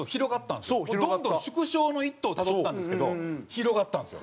どんどん縮小の一途をたどってたんですけど広がったんですよ。